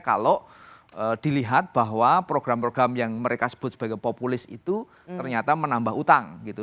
kalau dilihat bahwa program program yang mereka sebut sebagai populis itu ternyata menambah utang gitu